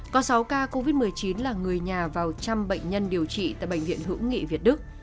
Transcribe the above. có sáu ca covid một mươi chín là người nhà và trăm bệnh nhân điều trị tại bệnh viện hữu nghị việt đức